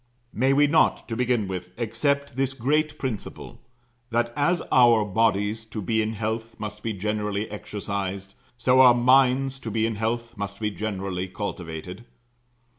May we not, to begin with, accept this great principle that, as our bodies, to be in health, must be generally exercised, so our minds, to be in health, must be generally cultivated?